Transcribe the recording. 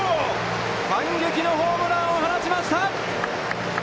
反撃のホームランを放ちました。